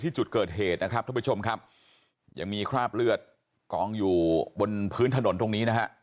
จุดเกิดเหตุนะครับท่านผู้ชมครับยังมีคราบเลือดกองอยู่บนพื้นถนนตรงนี้นะฮะ